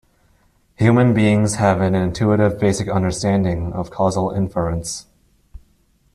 Human beings have an intuitive basic understanding of causal inference.